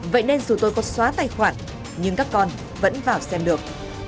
vậy nên dù tôi có xóa tài khoản nhưng các con vẫn vào xem được